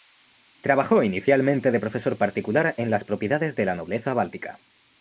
Trabajó inicialmente de profesor particular en las propiedades de la nobleza báltica.